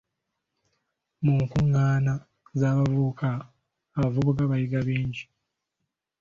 Mu nkungaana z'abavubuka, abavubuka bayiga bingi.